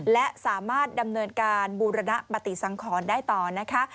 และสามารถดำเนินการบูรณปฏิสังขรได้ต่อนะคะ